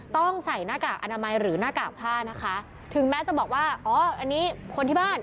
ต้องใส่หน้ากากอนามัยหรือหน้ากากผ้านะคะถึงแม้จะบอกว่าอ๋ออันนี้คนที่บ้าน